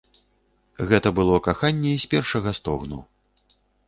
Гэта было каханне з першага стогну.